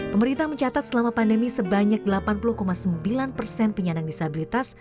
pemerintah mencatat selama pandemi sebanyak delapan puluh sembilan persen penyandang disabilitas